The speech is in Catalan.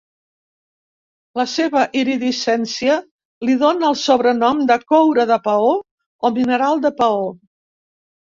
La seva iridescència li dona el sobrenom de "coure de paó" o "mineral de paó".